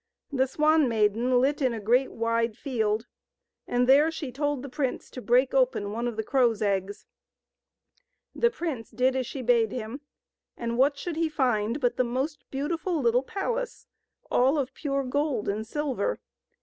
The Swan Maiden lit in a great wide field, and there she told the prince to break open one of the crow's eggs. The prince did as she bade him, and what should he find but the most beautiful little palace, all of pure gold and silver.